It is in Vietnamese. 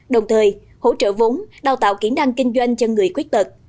đồng thời hỗ trợ vốn đào tạo kỹ năng kinh doanh cho người khuyết tật